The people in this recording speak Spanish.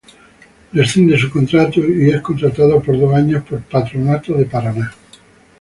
Rescinde su contrato y es contratado por dos años por Patronato de Paraná.